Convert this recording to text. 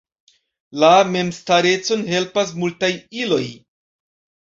La memstarecon helpas multaj iloj.